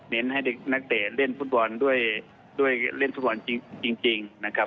เน้นให้นักเตะเล่นฟุตบอลด้วยด้วยเล่นฟุตบอลจริงจริงนะครับ